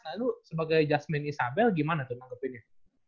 nah lu sebagai jasmine isabel gimana tuh nanggepinnya